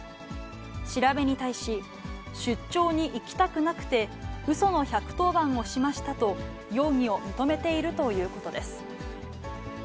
調べに対し、出張に行きたくなくて、うその１１０番をしましたと容疑を認めているということです。